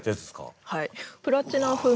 はい。